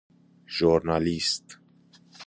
ژورنالیست